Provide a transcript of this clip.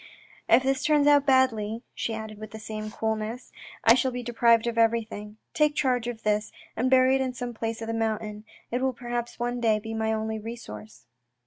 " If this turns out badly," she added with the same coolness, " I shall be deprived of everything. Take charge of this, and bury it in some place of the mountain. It will perhaps one day be my only resource."